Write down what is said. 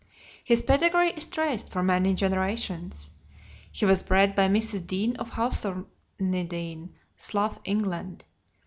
His pedigree is traced for many generations. He was bred by Mrs. Dean of Hawthornedene, Slough, England.